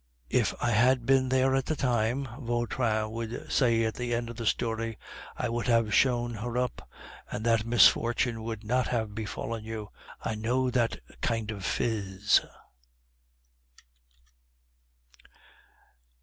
"If I had been there at the time," Vautrin would say at the end of the story, "I would have shown her up, and that misfortune would not have befallen you. I know that kind of phiz!"